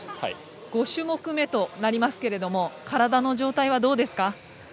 ５種目めとなりますけれども体の状態はどうですか。